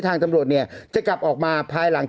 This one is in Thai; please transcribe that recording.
ทางตำรวจเนี่ยจะกลับออกมาภายหลัง